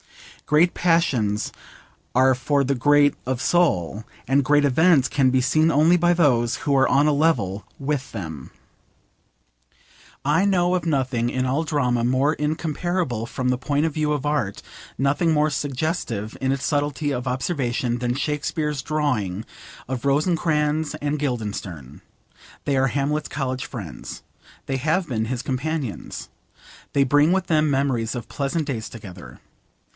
Great passions are for the great of soul, and great events can be seen only by those who are on a level with them. I know of nothing in all drama more incomparable from the point of view of art, nothing more suggestive in its subtlety of observation, than Shakespeare's drawing of Rosencrantz and Guildenstern. They are Hamlet's college friends. They have been his companions. They bring with them memories of pleasant days together.